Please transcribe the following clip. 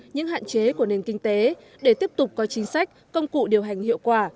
những hạn chế của nền kinh tế để tiếp tục có chính sách công cụ điều hành hiệu quả